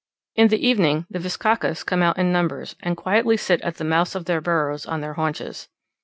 In the evening the bizcachas come out in numbers, and quietly sit at the mouths of their burrows on their haunches.